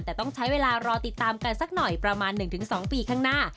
แต่ต้องใช้เวลารอติดตามกันสักหน่อยประมาณ๑๒ปีข้างหน้า